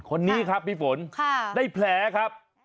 คนนี้ครับพี่ฝนได้แผลครับ